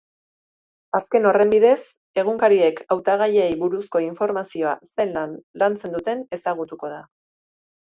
Azken horren bidez, egunkariek hautagaiei buruzko informazioa zelan lantzen duten ezagutuko da.